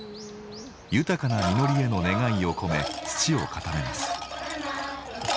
豊かな実りへの願いを込め土を固めます。